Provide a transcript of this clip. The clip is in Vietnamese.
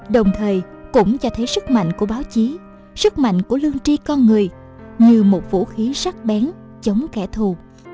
đồng thời cũng cho thấy sức mạnh của báo chí sức mạnh của lương tri con người như một vũ khí sắc bén chống kẻ thù